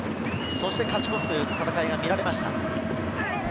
そして勝ち越すという戦いが見られました。